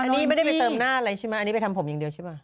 อันนี้ไม่ได้ไปเติมหน้าอะไรใช่ไหมอันนี้ไปทำผมอย่างเดียวใช่ป่ะ